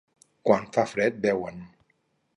Quan fa fred, beuen.